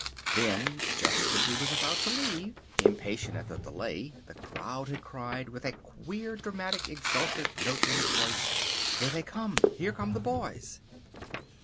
Then, just as he was about to leave, impatient at the delay, the crowd had cried, with a queer, dramatic, exultant note in its voice, "Here they come! Here come the boys!"